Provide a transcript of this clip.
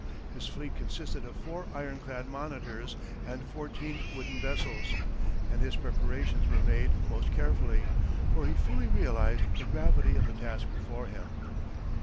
His fleet consisted of four ironclad monitors, and fourteen wooden vessels, and his preparations were made most carefully, for he fully realized the gravity of the task before him.